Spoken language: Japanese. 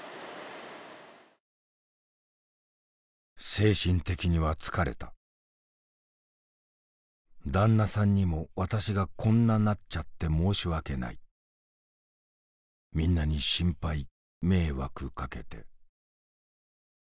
「精神的には疲れた旦那さんにも私がこんななっちゃって申し訳ないみんなに心配迷惑かけて」。